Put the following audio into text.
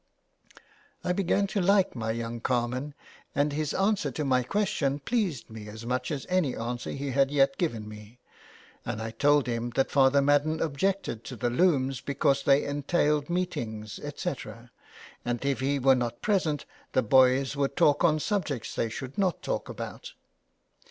I began to like my young carman, and his answer to my question pleased me as much as any answer 212 JULIA CAM ILL'S CURSE. he had yet given me, and I told him that Father Madden objected to the looms because they entailed meetings, etc., and if he were not present the boys would talk on subjects they should not talk about.